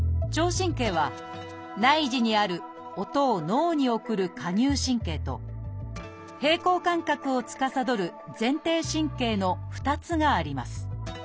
神経は内耳にある音を脳に送る蝸牛神経と平衡感覚をつかさどる前庭神経の２つがあります。